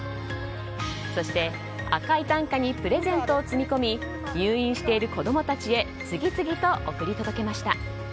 そして赤い担架にプレゼントを積み込み入院している子供たちへ次々と贈り届けました。